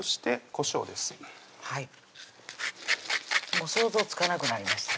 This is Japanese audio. もう想像つかなくなりました